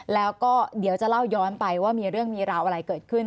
แล้วก็เดี๋ยวจะเล่าย้อนไปว่ามีเรื่องมีราวอะไรเกิดขึ้น